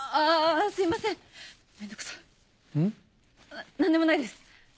な何でもないです！